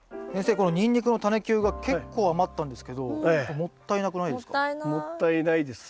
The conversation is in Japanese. このニンニクのタネ球が結構余ったんですけどもったいなくないですか？